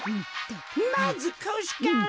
まずこしから。